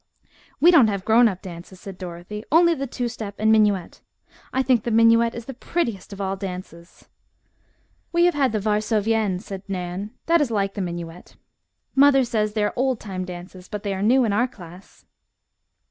"We don't have grown up dances," said Dorothy, "only the two step and minuet. I think the minuet is the prettiest of all dances." "We have had the varsovienne," said Nan, "that is like the minuet. Mother says they are old time dances, but they are new in our class."